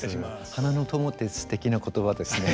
花の友ってすてきな言葉ですね。